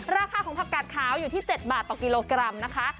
ราคาของผักกาดขาวอยู่ที่๗บาทต่อกิโลกรัมนะคะ